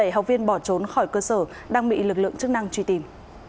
một mươi bảy học viên bỏ trốn khỏi cơ sở đang bị lực lượng chức năng truy tìm